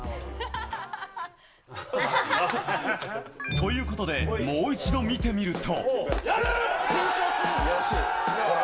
ということで、もう一度見てみると。